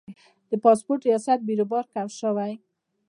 د پاسپورت ریاست بیروبار کم شوی؟